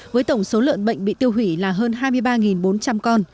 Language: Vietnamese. với tổng số lợn bệnh bị tiêu hủy là hơn hai mươi ba bốn trăm linh con